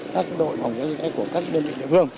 các đội phòng cháy của các đơn vị địa phương